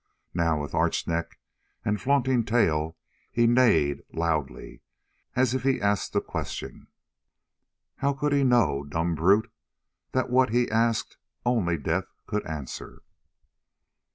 Now, with arched neck and flaunting tail he neighed loudly, as if he asked a question. How could he know, dumb brute, that what he asked only death could answer?